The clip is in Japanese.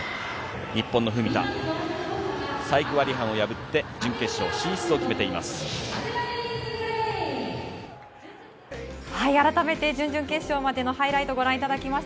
日本の文田、サイリク・ワリハンを破って準決勝進出を決めています。